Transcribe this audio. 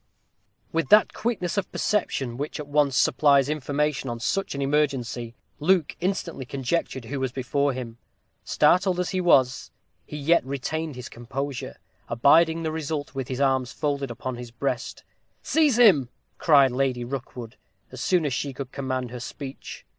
_ With that quickness of perception which at once supplies information on such an emergency, Luke instantly conjectured who was before him. Startled as he was, he yet retained his composure, abiding the result with his arms folded upon his breast. "Seize him!" cried Lady Rookwood, as soon as she could command her speech.